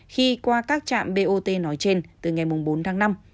khi qua các trạm bot nói trên từ ngày bốn tháng năm